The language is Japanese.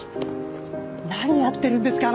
何やってるんですか？